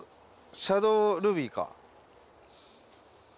シャドールビーか。